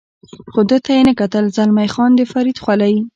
خو ده ته یې نه کتل، زلمی خان د فرید خولۍ.